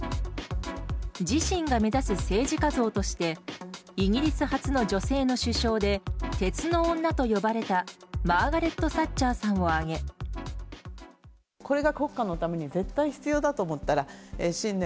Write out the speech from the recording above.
自身が目指す政治家像としてイギリス初の女性の首相で鉄の女と呼ばれたマーガレット・サッチャーさんを挙げ今夜、この人は。